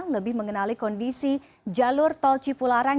lebih mengenali kondisi jalur tol cipularang